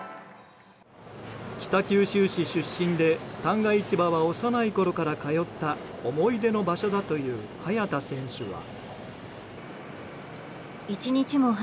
北九州市出身で旦過市場は幼いころから通った思い出の場所だという早田選手は。